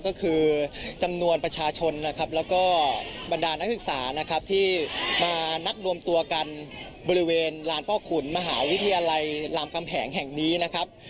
ก็คือจำนวนประชาชนนะครับแล้วก็บรรดานักศึกษานะครับที่มานัดรวมตัวกันบริเวณลานพ่อขุนมหาวิทยาลัยรามกำแหงแห่งนี้นะครับ